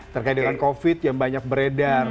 terkait dengan covid yang banyak beredar